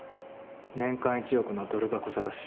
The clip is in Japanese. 年間１億のドル箱探し。